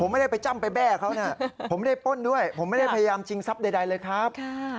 ไม่ได้ไปจ้ำไปแบ้เขานะผมไม่ได้ป้นด้วยผมไม่ได้พยายามชิงทรัพย์ใดเลยครับ